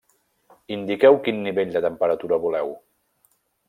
Indiqueu quin nivell de temperatura voleu.